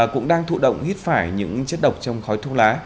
cũng đang thụ động hít phải những chất độc trong khói thuốc lá